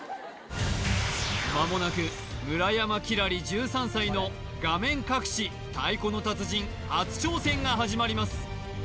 間もなく村山輝星１３歳の画面隠し太鼓の達人初挑戦が始まります